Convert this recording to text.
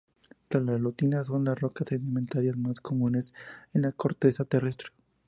Tras las lutitas son las rocas sedimentarias más comunes en la corteza terrestre.